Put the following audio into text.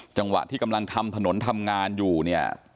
จังหวะที่กำลังทำถนนทำงานอยู่เนี่ย